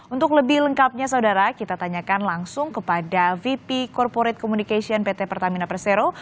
untuk lebih lengkapnya saudara kita tanyakan langsung kepada vp corporate communication pt pertamina persero